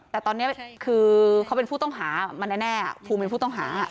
แต่ตอนนี้คือเขาเป็นผู้ต้องหามันแน่ภูมิเป็นผู้ต้องหา